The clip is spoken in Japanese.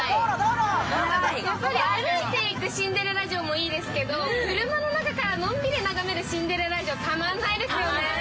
やっぱり歩いていくシンデレラ城もいいですけれども、車の中からのんびり眺めるシンデレラ城たまらないですね。